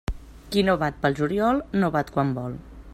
Qui no bat pel juliol no bat quan vol.